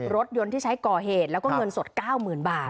รถยนต์ที่ใช้ก่อเหตุแล้วก็เงินสด๙๐๐๐บาท